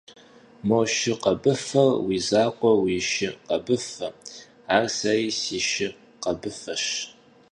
Мо шы къэбыфэр уи закъуэ уи шы къэбыфэ, ар сэри си шы къэбыфэщ.